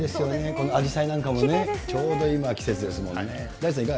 このアジサイなんかもね、ちょうど今季節ですもんね。